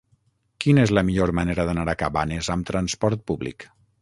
Quina és la millor manera d'anar a Cabanes amb trasport públic?